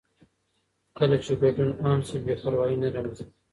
کله چې ګډون عام شي، بې پروايي نه رامنځته کېږي.